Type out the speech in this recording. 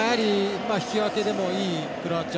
引き分けでもいいクロアチア。